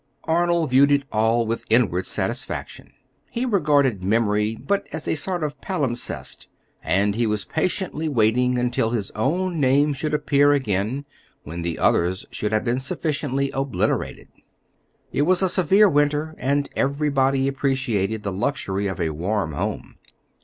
Arnold viewed it all with inward satisfaction. He regarded memory but as a sort of palimpsest; and he was patiently waiting until his own name should appear again, when the other's should have been sufficiently obliterated. It was a severe winter, and everybody appreciated the luxury of a warm home.